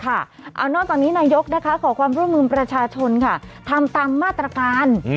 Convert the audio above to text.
เอานอกจากนี้นายกขอความร่วมมือประชาชนค่ะทำตามมาตรการ